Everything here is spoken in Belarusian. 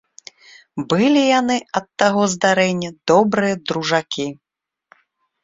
Былі яны ад таго здарэння добрыя дружакі.